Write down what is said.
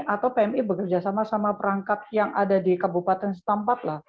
atau pmi bekerja sama sama perangkat yang ada di kabupaten setempat lah